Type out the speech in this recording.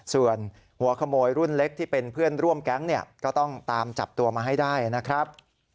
ส่วนหัวขโมยรุ่นเล็กที่เป็นเพื่อนร่วมแก๊งเนี่ยก็ต้องตามจับตัวมาให้ได้นะครับ